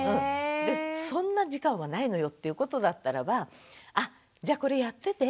そんな時間はないのよっていうことだったらば「あっじゃこれやってて。